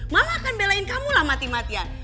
malah akan belain kamu lah mati matian